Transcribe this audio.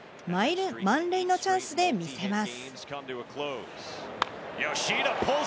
満塁のチャンスで見せます。